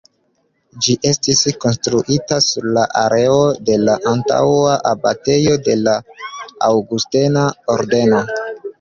Ĝi estis konstruita sur la areo de la antaŭa abatejo de la aŭgustena ordeno.